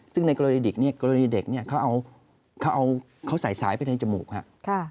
ซึ่งในกรณีเด็กเขาใส่สายไปในจมูก